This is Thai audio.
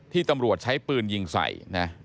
ตำรวจใช้ปืนยิงใส่นะ